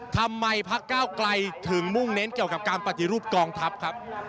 พักเก้าไกลถึงมุ่งเน้นเกี่ยวกับการปฏิรูปกองทัพครับ